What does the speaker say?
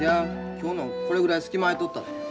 今日のこれぐらい隙間あいとったで。